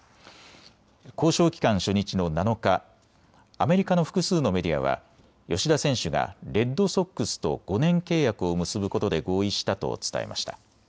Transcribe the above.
交渉期間初日の７日、アメリカの複数のメディアは吉田選手がレッドソックスと５年契約を結ぶことで合意したと伝えました。